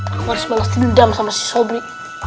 aku harus balas dendam sama si sobri